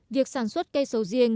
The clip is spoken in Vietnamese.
việc sản xuất cây sầu riêng